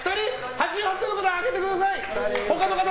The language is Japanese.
８８点の方、上げてください！